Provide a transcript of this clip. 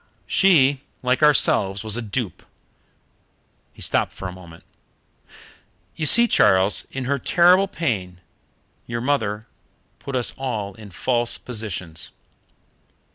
She, like ourselves, was a dupe " He stopped for a moment. "You see, Charles, in her terrible pain your poor mother put us all in false positions.